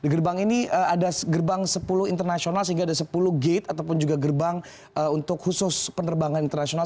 gerbang ini ada gerbang sepuluh internasional sehingga ada sepuluh gate ataupun juga gerbang untuk khusus penerbangan internasional